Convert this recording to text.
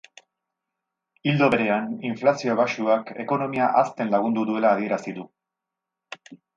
Ildo berean, inflazio baxuak ekonomia hazten lagundu duela adierazi du.